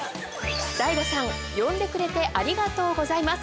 大悟さん呼んでくれてありがとうございます。